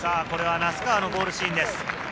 これは名須川のゴールシーンです。